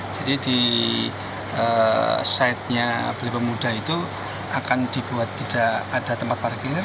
jadi di sitenya balai pemuda itu akan dibuat tidak ada tempat parkir